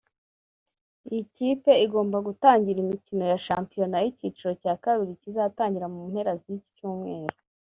Iyi kipe igimba gutangira imikino ya Shampiona y’icyiciro cya kabiri kizatangira mu mpera z’iki cyumweru